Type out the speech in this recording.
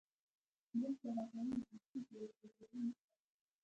مرسته او همکاري د دوستۍ او ورورولۍ نښه ده.